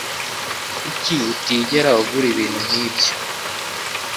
Kuki utigera ugura ibintu nkibyo